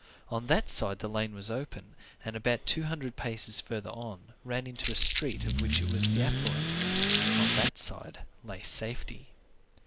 On that side the lane was open, and about two hundred paces further on, ran into a street of which it was the affluent. On that side lay safety.